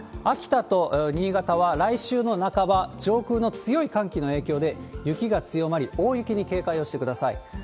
秋田と新潟は、来週の半ば、上空の強い寒気の影響で雪が強まり、大雪に警戒をしてください。